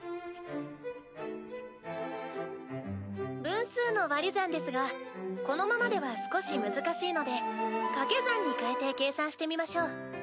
分数の割り算ですがこのままでは少し難しいので掛け算にかえて計算してみましょう。